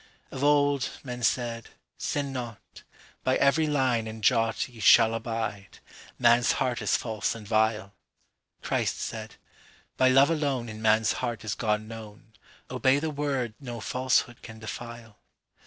…Of old, men said, 'Sin not; By every line and jotYe shall abide; man's heart is false and vile.'Christ said, 'By love aloneIn man's heart is God known; Obey the word no falsehood can defile.